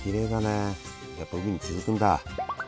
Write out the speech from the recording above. やっぱ海に続くんだ。